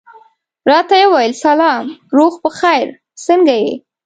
راته یې وویل سلام، روغ په خیر، څنګه یې؟